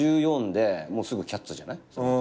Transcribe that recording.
１４ですぐ『キャッツ』じゃない。